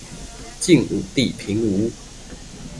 晉武帝平吳